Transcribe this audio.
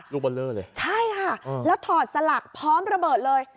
เบอร์เลอร์เลยใช่ค่ะแล้วถอดสลักพร้อมระเบิดเลย